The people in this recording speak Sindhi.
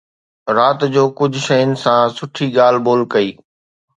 رات جو ڪجهه شين سان سٺي ڳالهه ٻولهه ڪئي